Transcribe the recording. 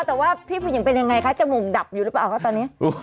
แต่ว่าพี่ผู้หญิงเป็นยังไงคะจมูกดับอยู่หรือเปล่าคะตอนนี้